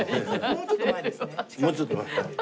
もうちょっと前？